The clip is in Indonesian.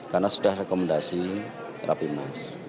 karena sudah rekomendasi rabi munas